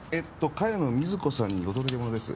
茅野瑞子さんにお届け物です。